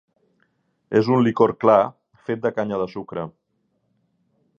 És un licor clar fet de canya de sucre.